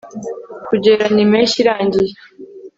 Kugereranya impeshyi irangiye